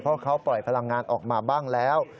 เพราะเขาปล่อยพลังงานออกมาบ้างแล้ว